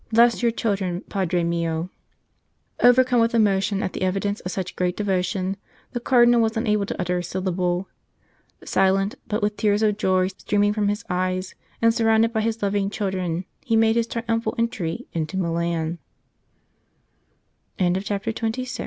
Bless your children, Padre mio !" Overcome with emotion at the evidences of such great devotion, the Cardinal was unable to utter a syllable. Silent, but with tears of joy streaming from his eyes, and surrounded by his loving children, he made his triumphal entry